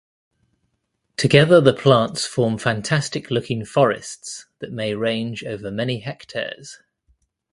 Together, the plants form fantastic looking forests that may range over many hectares.